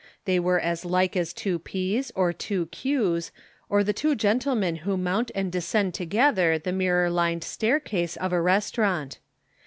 They were as like as two peas or two cues, or the two gentlemen who mount and descend together the mirror lined staircase of a restaurant.